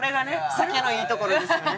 酒のいいところですよね。